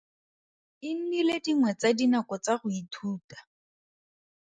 E nnile dingwe tsa dinako tsa go ithuta.